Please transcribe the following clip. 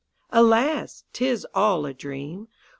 Alas! 't is all a dream.